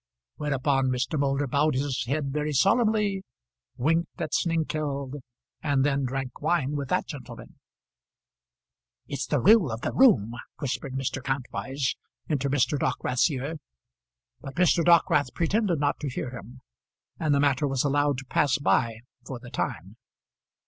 Whereupon Mr. Moulder bowed his head very solemnly, winked at Snengkeld, and then drank wine with that gentleman. "It's the rule of the room," whispered Mr. Kantwise into Mr. Dockwrath's ear; but Mr. Dockwrath pretended not to hear him, and the matter was allowed to pass by for the time.